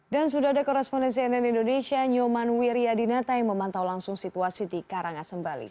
dan sudah ada korespondensi nn indonesia nyoman wiryadinata yang memantau langsung situasi di karangasem bali